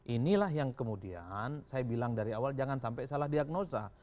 inilah yang kemudian saya bilang dari awal jangan sampai salah diagnosa